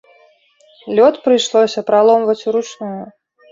Лёд прыйшлося праломваць ўручную.